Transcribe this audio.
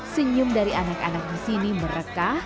senyum dari anak anak di sini merekah